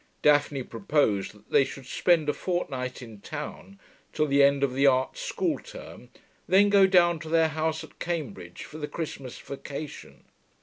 Daphne proposed that they should spend a fortnight in town, till the end of the art school term, then go down to their house at Cambridge for the Christmas vacation.